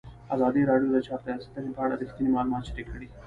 ازادي راډیو د چاپیریال ساتنه په اړه رښتیني معلومات شریک کړي.